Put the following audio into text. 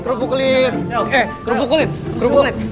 eh kerupuk kulit kerupuk kulit